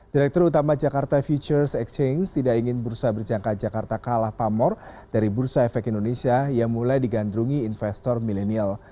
direktur utama jakarta futures exchange tidak ingin bursa berjangka jakarta kalah pamor dari bursa efek indonesia yang mulai digandrungi investor milenial